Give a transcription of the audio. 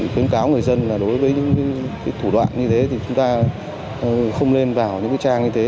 khuyên cáo người dân là đối với những cái thủ đoạn như thế thì chúng ta không nên vào những cái trang như thế